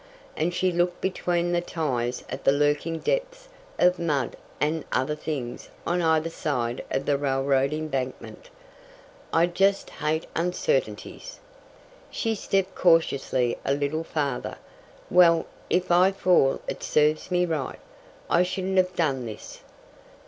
and she looked between the ties at the lurking depths of mud and other things on either side of the railroad embankment. "I just hate uncertainties." She stepped cautiously a little farther. "Well, if I fall it serves me right. I shouldn't have done this!"